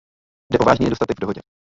Jde o vážný nedostatek v dohodě.